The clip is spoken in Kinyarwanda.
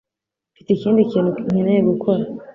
Mfite ikindi kintu nkeneye gukora.